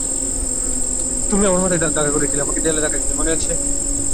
তুমি আমার মাথায় আঘাত করেছিলে আর আমাকে দেয়ালে ধাক্কা দিয়েছিলে, মনে আছে?